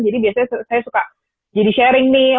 jadi biasanya saya suka jadi sharing nih